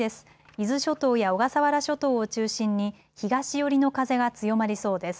伊豆諸島や小笠原諸島を中心に東寄りの風が強まりそうです。